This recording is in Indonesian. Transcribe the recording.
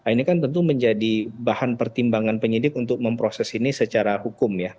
ini kan tentu menjadi bahan pertimbangan penyidik untuk memproses ini secara hukum ya